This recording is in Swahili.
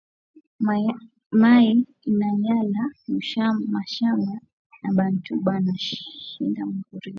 Mayi inayala mu mashamba na bantu bana shinda ku rima